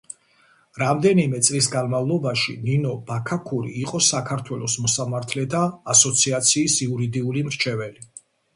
რამდენიმე წლის განმავლობაში ნინო ბაქაქური იყო საქართველოს მოსამართლეთა ასოციაციის იურიდიული მრჩეველი.